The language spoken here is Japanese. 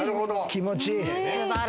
気持ちいい。